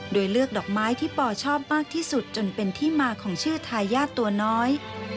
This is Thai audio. โดยเลือกดอกไม้ที่ปอชอบมากที่สุดจนเป็นที่มาของชื่อทายาทตัวน้อย